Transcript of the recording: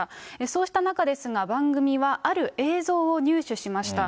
そうした中ですが、番組はある映像を入手しました。